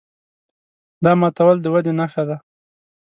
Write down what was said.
دا ماتول د ودې نښه ده.